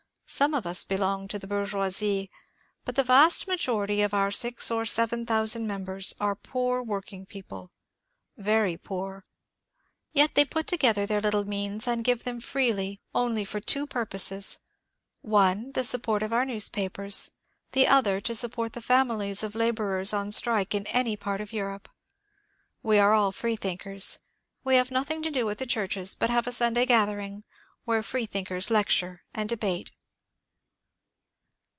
Some of us belong to the bourgeoisie^ but the vast majority of our six or seven thou sand members are poor working people — very poor. Yet they put together their little means and give them freely only for two purposes : one, the support of our newspapers ; the other, to support the families of labourers on strike in any part of Europe. We are all freethinkers. We have nothing THE INTERNATIONAL LEAGUE 223 to do with the churches, but have a Sunday gatheringi where freethinkers lecture and debate.